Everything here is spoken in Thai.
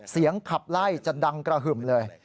ขับไล่จะดังกระหึ่มเลย